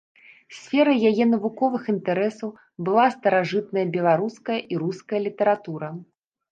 Сферай яе навуковых інтарэсаў была старажытная беларуская і руская літаратура.